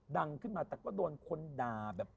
ดังขึ้นมาแต่ก็โดนคนด่าแบบ